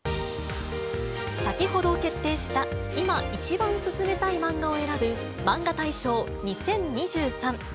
先ほど決定した、いま一番薦めたいマンガを選ぶ、マンガ大賞２０２３。